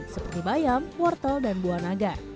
seperti bayam wortel dan buah naga